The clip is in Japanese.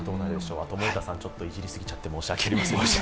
あと森田さん、ちょっといじりすぎちゃって申し訳ありません。